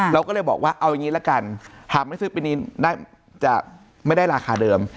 เราก็เลยบอกว่าเอาอย่างนี้ละกันหากไม่ซื้อปีนี้จะไม่ได้ราคาเดิม